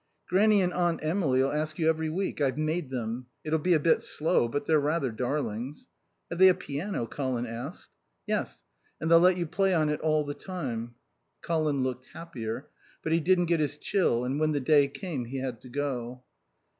"Grannie and Aunt Emily'll ask you every week. I've made them. It'll be a bit slow, but they're rather darlings." "Have they a piano?" Colin asked. "Yes. And they'll let you play on it all the time." Colin looked happier. But he didn't get his chill, and when the day came he had to go.